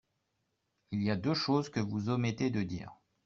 Il y a deux choses que vous omettez de dire.